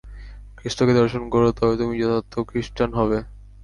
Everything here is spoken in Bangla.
খ্রীষ্টকে দর্শন কর, তবে তুমি যথার্থ খ্রীষ্টান হবে।